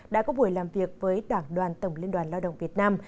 đã có buổi làm việc với đảng đoàn tổng liên đoàn lao động việt nam